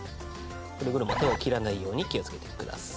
くれぐれも手を切らないように気をつけてください。